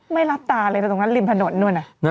ไม่รับตาเลยไปตรงนั้นริมถนนนู่น